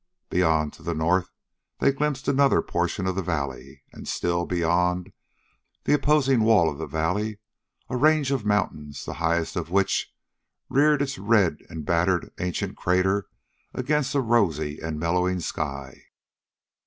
Beyond, to the north, they glimpsed another portion of the valley, and, still beyond, the opposing wall of the valley a range of mountains, the highest of which reared its red and battered ancient crater against a rosy and mellowing sky.